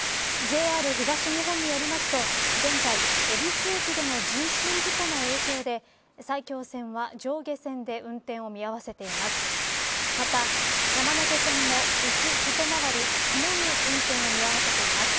ＪＲ東日本によりますと現在、恵比寿駅での人身事故の影響で埼京線は上下線で運転を見合わせています。